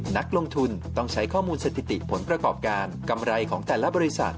นักลงทุนต้องใช้ข้อมูลสถิติผลประกอบการกำไรของแต่ละบริษัท